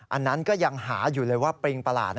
อันนั้นก็ยังหาอยู่เลยว่าปริงประหลาด